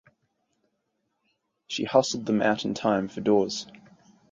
She hustled them out in time for doors.